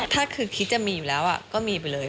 ถ้าคิดจะมีแล้วก็มีไปเลย